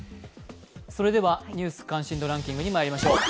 「ニュース関心度ランキング」にまいりましょう。